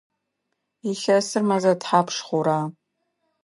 Илъэсыр мэзэ тхьапш хъура?